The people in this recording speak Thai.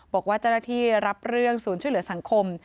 บอกว่าเจ้าหน้าที่รับเรื่องศูนย์ช่วยเหลือสังคม